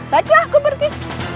baiklah aku pergi